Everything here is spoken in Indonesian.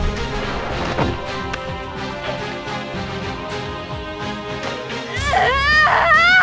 aku tidak ingin memiliki ibu iblis seperti mu